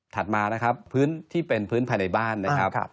มานะครับพื้นที่เป็นพื้นภายในบ้านนะครับ